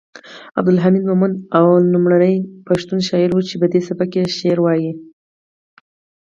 عبدالحمید مومند لومړی پښتون شاعر و چې پدې سبک یې شعر وایه